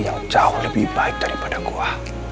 yang jauh lebih baik daripada goa